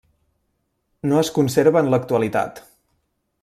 No es conserva en l'actualitat.